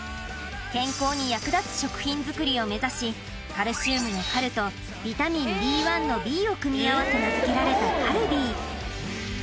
健康に役立つ食品づくりを目指しカルシウムの「カル」とビタミンＢ１の「ビー」を組み合わせ名付けられたカルビー